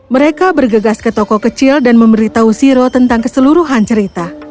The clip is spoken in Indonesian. mereka bergegas ke toko kecil dan memberitahu siro tentang keseluruhan cerita